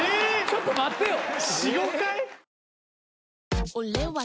ちょっと待ってよ。